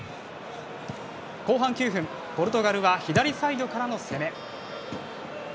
後半９分、ポルトガルは左サイドからの攻め。